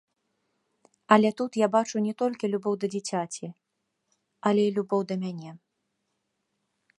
Але тут я бачу не толькі любоў да дзіцяці, але і любоў да мяне.